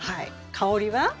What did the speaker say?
香りは？